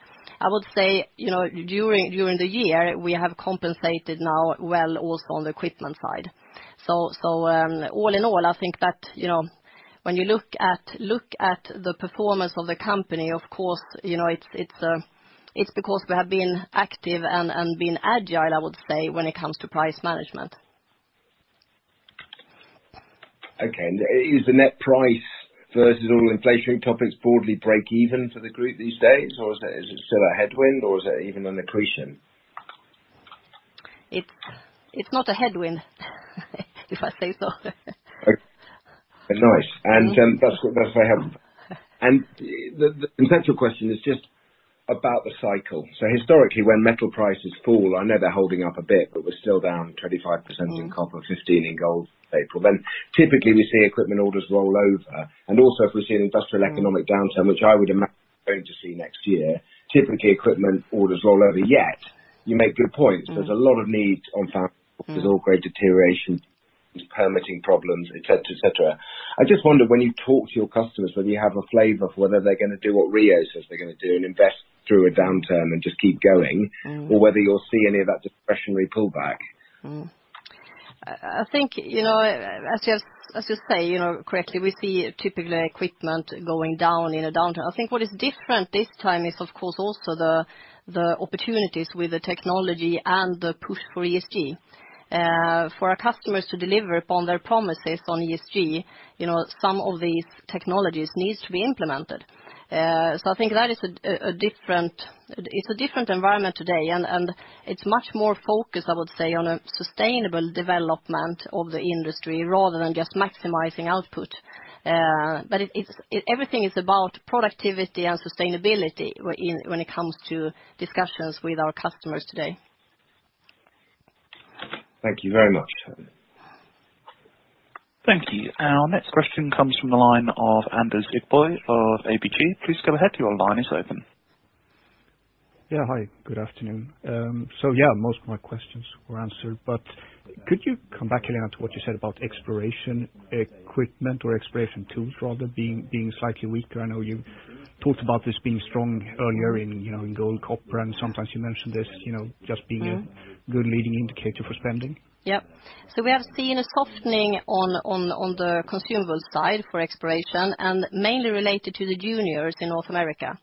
I would say, you know, during the year, we have compensated now well also on the equipment side. All in all, I think that, you know, when you look at the performance of the company, of course, you know, it's because we have been active and been agile, I would say, when it comes to price management. Okay. Is the net price versus all inflationary topics broadly breakeven for the group these days? Or is it still a headwind, or is it even an accretion? It's not a headwind. If I say so. Nice. That's a help. The potential question is just about the cycle. Historically, when metal prices fall, I know they're holding up a bit, but we're still down 25% in copper, 15% in gold, April. Typically we see equipment orders roll over. Also, if we see an industrial economic downturn, which I would imagine we're going to see next year, typically equipment orders roll over. Yet you make good points. There's a lot of need on. There's all grade deterioration, there's permitting problems, etc., etc. I just wonder, when you talk to your customers, whether you have a flavor for whether they're gonna do what Rio says they're gonna do and invest through a downturn and just keep going. Mm-hmm. Or whether you'll see any of that discretionary pullback. I think, you know, as you say, you know, correctly, we see typically equipment going down in a downturn. I think what is different this time is, of course, also the opportunities with the technology and the push for ESG. For our customers to deliver upon their promises on ESG, you know, some of these technologies needs to be implemented. I think that is a different environment today, and it's much more focused, I would say, on a sustainable development of the industry rather than just maximizing output. Everything is about productivity and sustainability when it comes to discussions with our customers today. Thank you very much. Thank you. Our next question comes from the line of Anders Idborg of ABG. Please go ahead. Your line is open. Yeah. Hi, good afternoon. Yeah, most of my questions were answered. Could you come back, Helena, to what you said about exploration equipment or exploration tools rather being slightly weaker? I know you talked about this being strong earlier in, you know, in gold, copper, and sometimes you mentioned this, you know, just being a good leading indicator for spending. Yeah. We have seen a softening on the consumable side for exploration, and mainly related to the juniors in North America.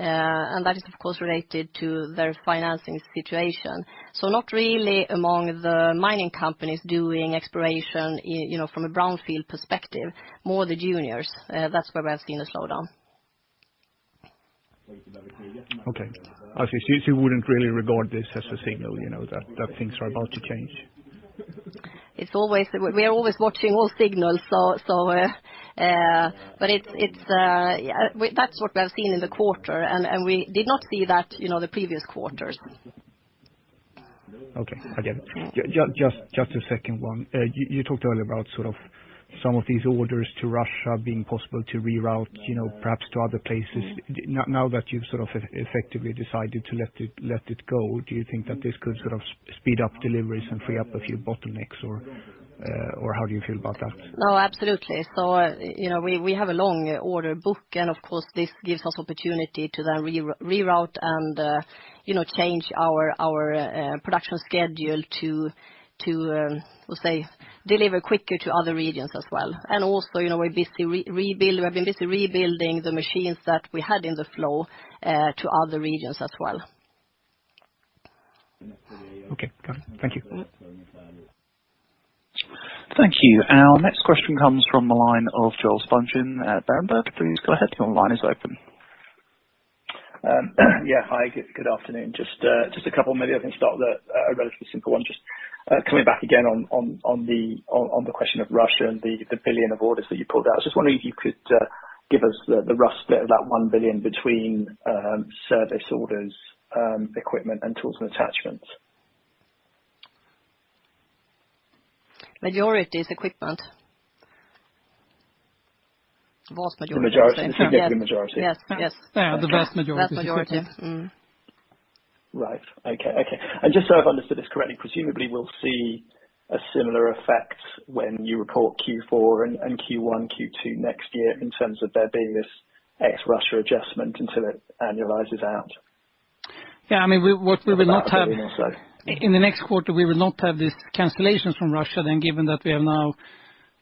And that is, of course, related to their financing situation. Not really among the mining companies doing exploration you know, from a brownfield perspective, more the juniors. That's where we are seeing a slowdown. Okay. You wouldn't really regard this as a signal, you know, that things are about to change? We are always watching all signals, so, but it's. That's what we have seen in the quarter, and we did not see that, you know, the previous quarters. Okay. I get it. Just a second one. You talked earlier about sort of some of these orders to Russia being possible to reroute, you know, perhaps to other places. Mm-hmm. Now that you've sort of effectively decided to let it go, do you think that this could sort of speed up deliveries and free up a few bottlenecks, or how do you feel about that? No, absolutely. You know, we have a long order book, and of course, this gives us opportunity to then reroute and, you know, change our production schedule to let's say, deliver quicker to other regions as well. Also, you know, we've been busy rebuilding the machines that we had in the flow to other regions as well. Okay. Got it. Thank you. Mm-hmm. Thank you. Our next question comes from the line of Joel Spungin at Berenberg. Please go ahead. Your line is open. Hi, good afternoon. Just a couple maybe I can start with a relatively simple one. Just coming back again on the question of Russia and the 1 billion of orders that you pulled out. I was just wondering if you could give us the rough split of that 1 billion between service orders, equipment and Tools & Attachments. Majority is equipment. Vast majority. The majority, the significant majority. Yes. Yes. Yeah. The vast majority is equipment. Vast majority. Right. Okay. Just so I've understood this correctly, presumably we'll see a similar effect when you report Q4 and Q1, Q2 next year in terms of there being this ex-Russia adjustment until it annualizes out. Yeah, I mean, in the next quarter, we will not have these cancellations from Russia then, given that we have now,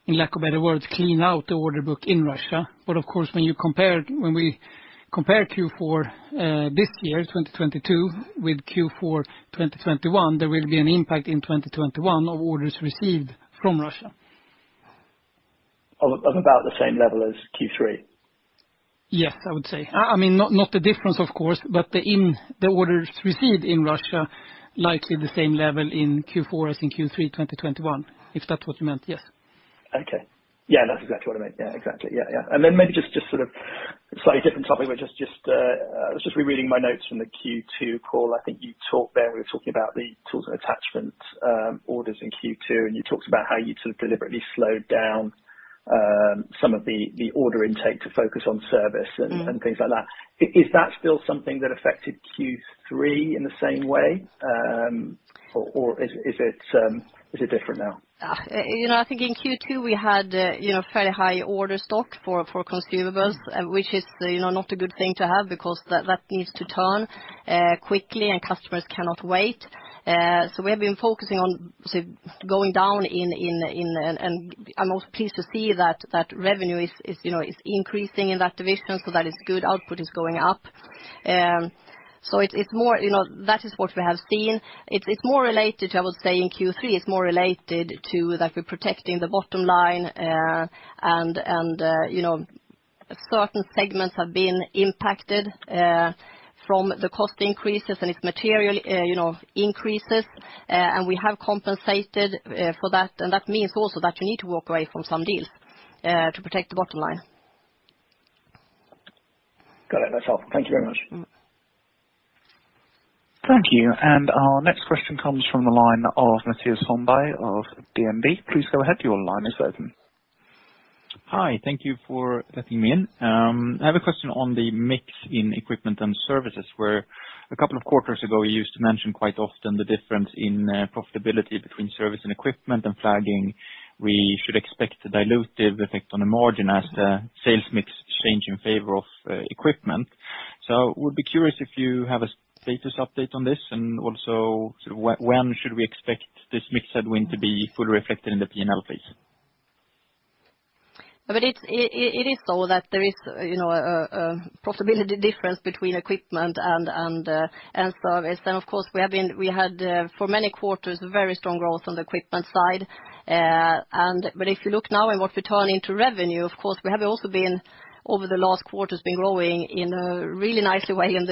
for lack of a better word, cleaned out the order book in Russia. Of course, when you compare, when we compare Q4 this year, 2022, with Q4 2021, there will be an impact in 2021 of orders received from Russia. Of about the same level as Q3? Yes, I would say. I mean, not the difference, of course, but the orders received in Russia, likely the same level in Q4 as in Q3 2021, if that's what you meant, yes. Okay. Yeah, that's exactly what I meant. Yeah, exactly. Yeah, yeah. Maybe just sort of slightly different topic, but just, I was just rereading my notes from the Q2 call. I think you talked there, we were talking about the Tools & Attachments orders in Q2, and you talked about how you sort of deliberately slowed down some of the order intake to focus on service. Mm-hmm. things like that. Is that still something that affected Q3 in the same way? Is it different now? You know, I think in Q2 we had you know fairly high overstock for consumables, which is you know not a good thing to have because that needs to turn quickly and customers cannot wait. We have been focusing on stock going down in inventory and I'm also pleased to see that revenue is you know increasing in that division, so that is good. Output is going up. You know, that is what we have seen. It's more related to, I would say, in Q3, that we're protecting the bottom line. You know, certain segments have been impacted from the cost increases and input material increases. We have compensated for that, and that means also that you need to walk away from some deals to protect the bottom line. Got it. That's all. Thank you very much. Mm-hmm. Thank you. Our next question comes from the line of Mattias Holmberg of DNB. Please go ahead, your line is open. Hi, thank you for letting me in. I have a question on the mix in Equipment & Services, where a couple of quarters ago you used to mention quite often the difference in profitability between service and equipment and flagging. We should expect a dilutive effect on the margin as the sales mix change in favor of equipment. Would be curious if you have a status update on this. Also, sort of when should we expect this mix headwind to be fully reflected in the P&L phase? It is so that there is, you know, profitability difference between Equipment & Service. Of course, we had for many quarters very strong growth on the equipment side. If you look now at what we turn into revenue, of course, we have also been growing over the last quarters in a really nice way on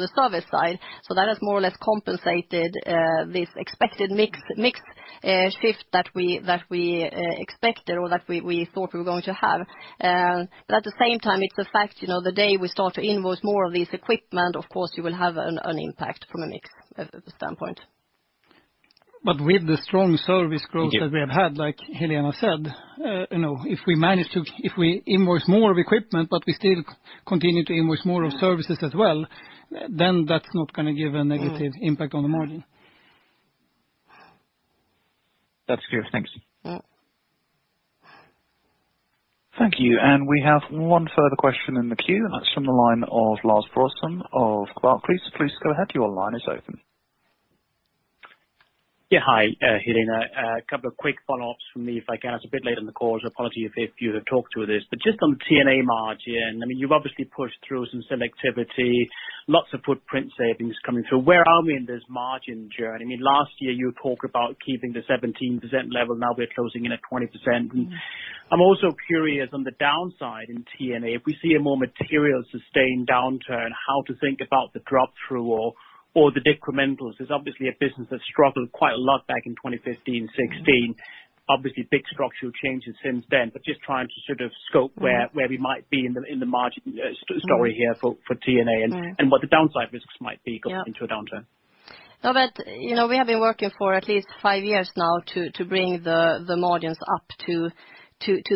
the service side. That has more or less compensated this expected mix shift that we expected or that we thought we were going to have. At the same time, it's a fact, you know, the day we start to invoice more of this equipment, of course you will have an impact from a mix at the standpoint. With the strong service growth- Thank you. -that we have had, like Helena said, you know, if we invoice more of equipment but we still continue to invoice more of services as well, then that's not gonna give a negative impact on the margin. That's clear. Thanks. Mm-hmm. Thank you. We have one further question in the queue, and it's from the line of Lars Brorson of Barclays. Please go ahead. Your line is open. Yeah. Hi, Helena. A couple of quick follow-ups from me, if I can. It's a bit late in the call, so I apologize if you have talked through this. Just on TNA margin, I mean, you've obviously pushed through some selectivity, lots of footprint savings coming through. Where are we in this margin journey? I mean, last year you talked about keeping the 17% level. Now we're closing in at 20%. Mm-hmm. I'm also curious on the downside in TNA, if we see a more material sustained downturn, how to think about the drop through or the decrementals. There's obviously a business that struggled quite a lot back in 2015, 2016. Mm-hmm. Obviously big structural changes since then, but just trying to sort of scope where we might be in the margin story here for TNA and- Right. -What the downside risks might be- Yeah. -going into a downturn. No, but you know, we have been working for at least five years now to bring the margins up to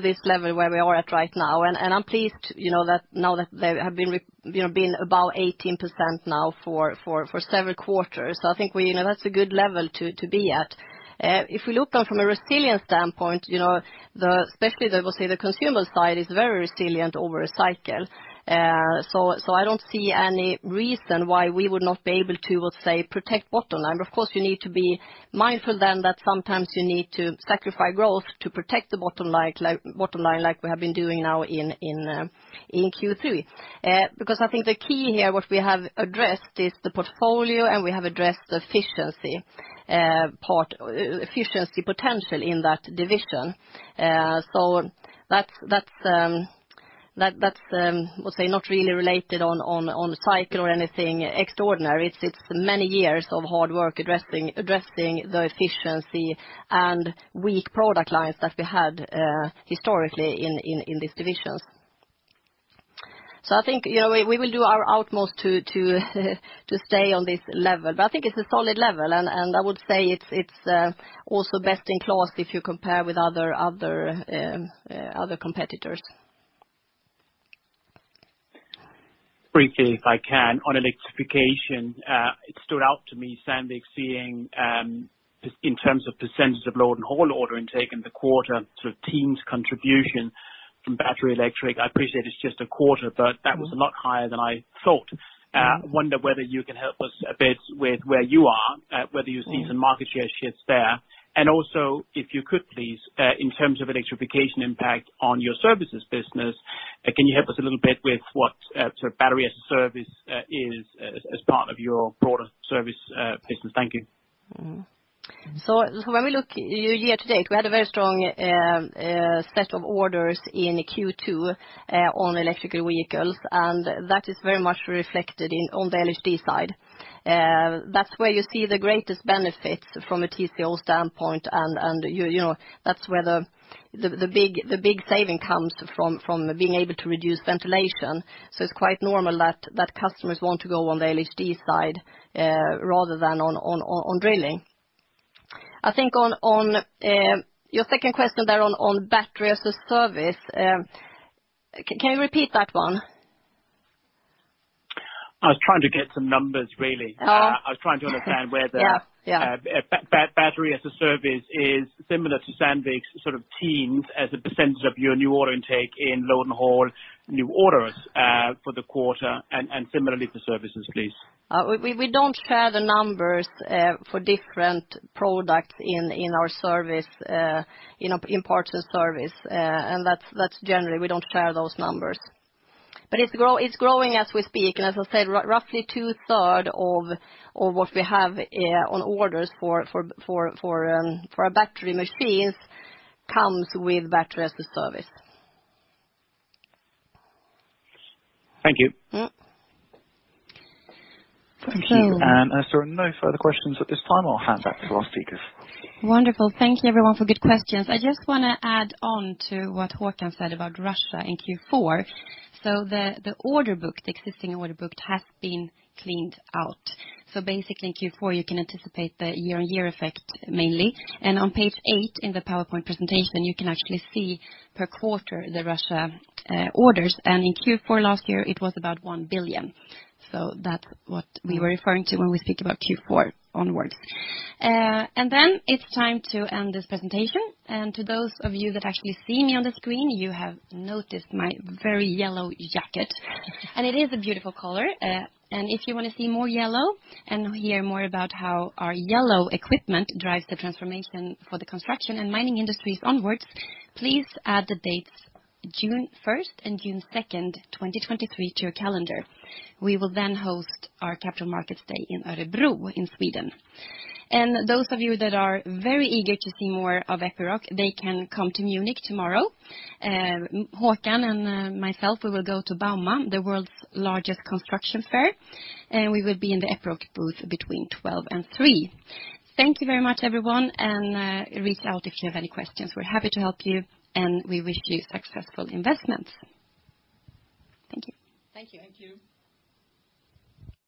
this level where we are at right now. I'm pleased you know that now that they have been above 18% now for several quarters. I think you know that's a good level to be at. If we look on from a resilience standpoint, you know, especially the we'll say the consumer side is very resilient over a cycle. So I don't see any reason why we would not be able to we'll say protect bottom line. Of course, you need to be mindful then that sometimes you need to sacrifice growth to protect the bottom line, like we have been doing now in Q3. Because I think the key here, what we have addressed is the portfolio, and we have addressed the efficiency part, efficiency potential in that division. So that's, we'll say, not really related on cycle or anything extraordinary. It's many years of hard work addressing the efficiency and weak product lines that we had historically in these divisions. I think, you know, we will do our utmost to stay on this level. I think it's a solid level. I would say it's also best in class if you compare with other competitors. Briefly, if I can, on electrification, it stood out to me, Sandvik seeing, just in terms of percentage of load and haul order intake in the quarter, sort of team's contribution from battery electric. I appreciate it's just a quarter, but that was a lot higher than I thought. Wonder whether you can help us a bit with where you are, whether you see some market share shifts there. Also, if you could, please, in terms of electrification impact on your services business, can you help us a little bit with what, sort of battery as a service, is as part of your broader service business? Thank you. When we look year to date, we had a very strong set of orders in Q2 on electric vehicles, and that is very much reflected in on the LHD side. That's where you see the greatest benefits from a TCO standpoint and you know that's where the big saving comes from being able to reduce ventilation. It's quite normal that customers want to go on the LHD side rather than on drilling. I think on your second question there on Battery as a Service, can you repeat that one? I was trying to get some numbers, really. Oh. I was trying to understand where the- Yeah. Yeah Battery as a Service is similar to Sandvik's sort of teams as a percentage of your new order intake in load and haul new orders for the quarter, and similarly for services, please. We don't share the numbers for different products in our service in parts of service. That's generally we don't share those numbers. It's growing as we speak, and as I said, roughly 2/3 of what we have on orders for our battery machines comes with Battery as a Service. Thank you. Mm-hmm. Thank you. So- As there are no further questions at this time, I'll hand back to our speakers. Wonderful. Thank you everyone for good questions. I just wanna add on to what Håkan said about Russia in Q4. The order book, the existing order book has been cleaned out. Basically in Q4 you can anticipate the year-on-year effect mainly. On page eight in the PowerPoint presentation, you can actually see per quarter the Russia orders. In Q4 last year it was about 1 billion. That's what we were referring to when we speak about Q4 onwards. Then it's time to end this presentation. To those of you that actually see me on the screen, you have noticed my very yellow jacket. It is a beautiful color. If you wanna see more yellow and hear more about how our yellow equipment drives the transformation for the construction and mining industries onwards, please add the dates June first and June second, 2023 to your calendar. We will then host our Capital Markets Day in Örebro in Sweden. Those of you that are very eager to see more of Epiroc, they can come to Munich tomorrow. Håkan and myself, we will go to bauma, the world's largest construction fair, and we will be in the Epiroc booth between 12 and 3. Thank you very much, everyone, and reach out if you have any questions. We're happy to help you, and we wish you successful investments. Thank you. Thank you. Thank you.